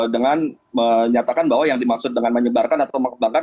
dengan menyatakan bahwa yang dimaksud dengan menyebarkan atau mengembangkan